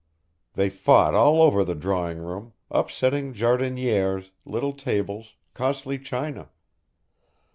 They fought all over the drawing room, upsetting jardinières, little tables, costly china.